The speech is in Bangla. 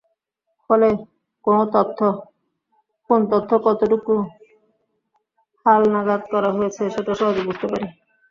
ফলে কোন তথ্য কতটুকু হালনাগাদ করা হয়েছে, সেটা সহজে বুঝতে পারি।